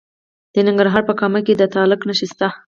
د ننګرهار په کامه کې د تالک نښې شته.